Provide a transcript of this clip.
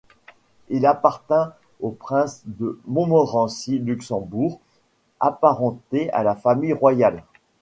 Il appartint aux princes de Montmorency Luxembourg, apparentés à la famille royale.